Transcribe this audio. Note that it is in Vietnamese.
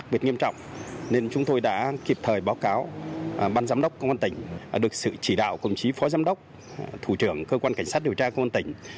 báo cáo ban giám đốc công an tỉnh được sự chỉ đạo công chí phó giám đốc thủ trưởng cơ quan cảnh sát điều tra công an tỉnh